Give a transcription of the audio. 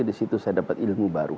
di situ saya dapat ilmu baru